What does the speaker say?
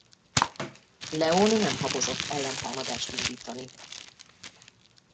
León nem habozott ellentámadást indítani.